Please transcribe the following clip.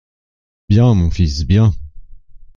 Bien, mon fils, bien !